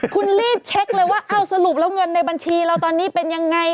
คุณรีบเช็คเลยว่าเอ้าสรุปแล้วเงินในบัญชีเราตอนนี้เป็นยังไง